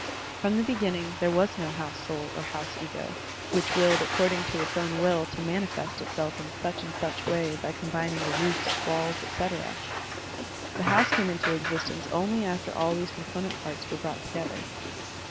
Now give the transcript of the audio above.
From the beginning there was no house soul or house ego, which willed according to its own will to manifest itself in such and such way by combining the roofs, walls, et cetera. The house came into existence only after all these component parts were brought together.